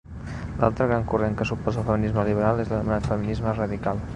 L'altre gran corrent que s'oposa al feminisme liberal és l'anomenat feminisme radical.